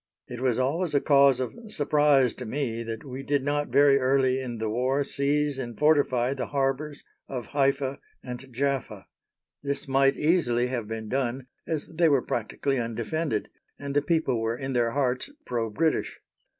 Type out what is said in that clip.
It was always a cause of surprise to me that we did not very early in the War seize and fortify the harbours of Haifa and Jaffa. This might easily have been done, as they were practically undefended, and the people were in their hearts pro British.